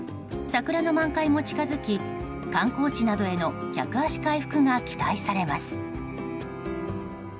桜の満開も近づき観光地などへの客足回復が期待されます。